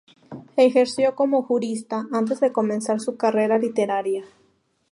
Ejerció como Jurista, antes de comenzar su carrera literaria.